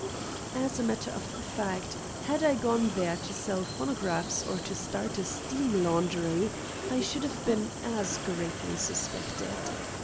As a matter of fact, had I gone there to sell phonographs or to start a steam laundry, I should have been as greatly suspected.